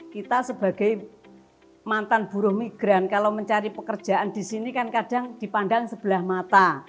kita sebagai mantan buruh migran kalau mencari pekerjaan di sini kan kadang dipandang sebelah mata